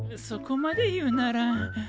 そこまで言うなら。